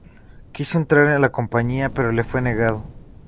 Quiso entrar a la Compañía, pero le fue negado.